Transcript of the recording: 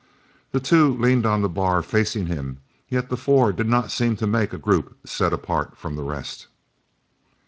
The two leaned on the bar, facing him, yet the four did not seem to make a group set apart from the rest.